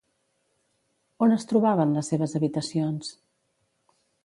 On es trobaven les seves habitacions?